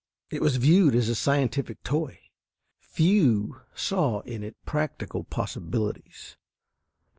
It was viewed as a scientific toy; few saw in it practical possibilities.